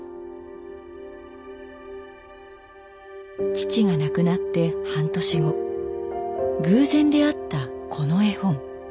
父が亡くなって半年後偶然出会ったこの絵本。